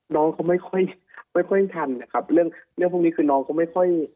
น้องเขาไม่ค่อยไม่ค่อยทันนะครับเรื่องเรื่องพวกนี้คือน้องเขาไม่ค่อย